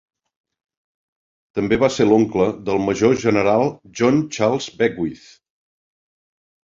També va ser l'oncle del Major general John Charles Beckwith.